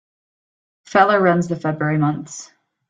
Feller runs the February months.